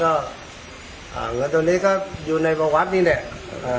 เพราะเงินตอนนี้ก็อยู่ในวัดนี้เนี่ย